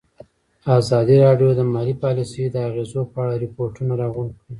ازادي راډیو د مالي پالیسي د اغېزو په اړه ریپوټونه راغونډ کړي.